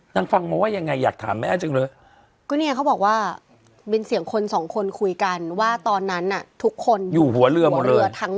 ตอนนั้นมันมโนเยอะจนไม่รู้อันไหนจริงอันไหนไม่จริง